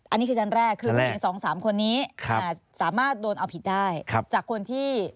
อันนี้คือชั้นแรกคือมี๒๓คนนี้สามารถโดนเอาผิดได้จากคนที่